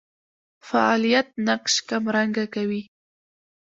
فاعلیت نقش کمرنګه کوي.